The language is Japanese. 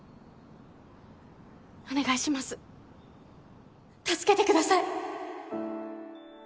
お願いします助けて下さい！